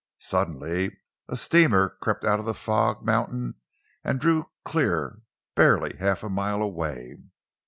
Suddenly a steamer crept out of the fog mountain and drew clear, barely half a mile away.